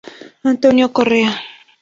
Antonio Correa